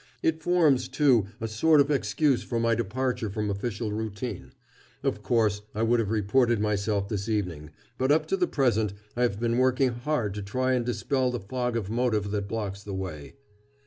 It forms, too, a sort of excuse for my departure from official routine. Of course, I would have reported myself this evening, but, up to the present, I have been working hard to try and dispel the fog of motive that blocks the way."